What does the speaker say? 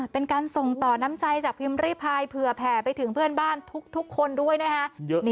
เป็นการส่งต่อน้ำใจจากพิมพ์ริพายเผื่อแผ่ไปถึงเพื่อนบ้านทุกคนด้วยนะคะ